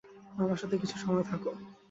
আমার সাথে কিছু সময় থাকো।